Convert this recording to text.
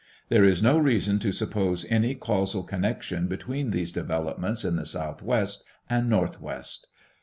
There is no reason to sup pose any causal connection between these developments in the southwest and northwest.